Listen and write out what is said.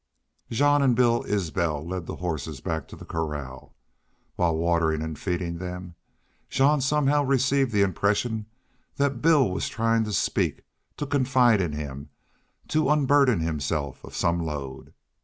Jean and Bill Isbel led the horses back to the corral. While watering and feeding them, Jean somehow received the impression that Bill was trying to speak, to confide in him, to unburden himself of some load.